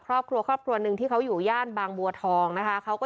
ครอบครัวครอบครัวหนึ่งที่เขาอยู่ย่านบางบัวทองนะคะเขาก็